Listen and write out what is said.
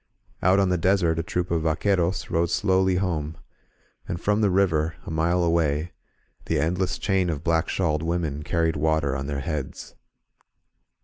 Out on the desert a troop of vctqtieros rode slowly home; and from the river, a mile away, the endless chain of black shawled women carried water on their heads.